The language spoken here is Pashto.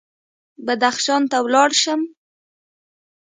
بدخشان ته ولاړ شم.